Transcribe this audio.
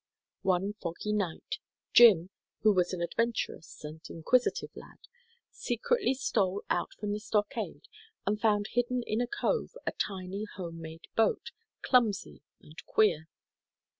One foggy night Jim, who was an adventurous and inquisitive lad, secretly stole out from the stockade and found hidden in a cove a tiny home made boat, clumsy and queer.